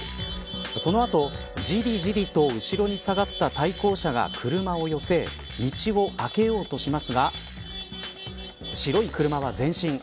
その後、じりじりと後ろに下がった対向車が車を寄せ道をあけようとしますが白い車は前進。